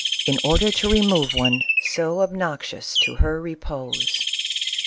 in order to remove one so ob noxious to her repose.